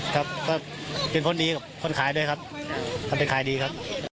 ครับก็เป็นคนดีกับคนขายด้วยครับทำเป็นขายดีครับ